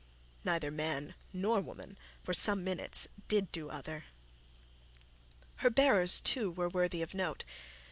Neither man nor woman for some minutes did do other. Her bearers too were worthy of note.